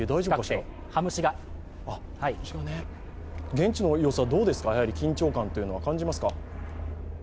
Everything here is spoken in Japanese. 現地の様子はどうですか、緊張感は感じますか？